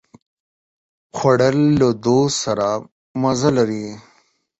خوړل له دوست سره مزه لري